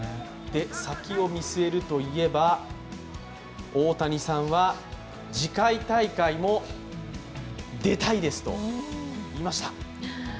先を見据えるといえば、大谷さんは次回大会も出たいですと言いました。